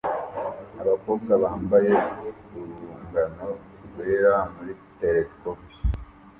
Abakobwa bambaye urungano rwera muri telesikopi